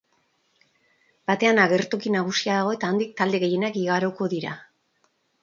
Batean agertoki nagusia dago eta handik talde gehienak igaroko dira.